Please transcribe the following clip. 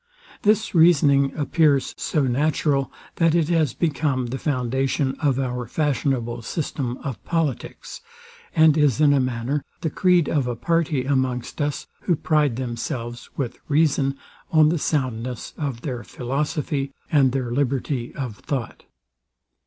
This reasoning appears so natural, that it has become the foundation of our fashionable system of politics, and is in a manner the creed of a party amongst us, who pride themselves, with reason, on the soundness of their philosophy, and their liberty of thought.